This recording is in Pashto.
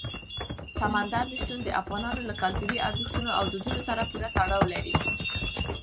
سمندر نه شتون د افغانانو له کلتوري ارزښتونو او دودونو سره پوره تړاو لري.